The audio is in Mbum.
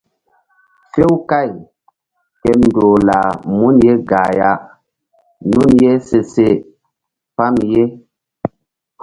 Few káy ke ndoh lah mun ye gah ya nun ye se se pam ye.